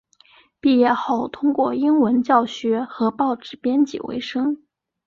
毕业后通过英文教学和报纸编辑维生。